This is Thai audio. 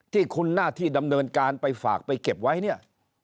ที่คุณหน้าที่ดำเนินการไปฝากไปเก็บไว้เนี่ย